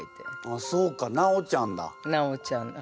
あっそうかなおちゃんだ。